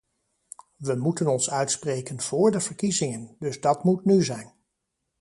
We moeten ons uitspreken vóór de verkiezingen, dus dat moet nu zijn.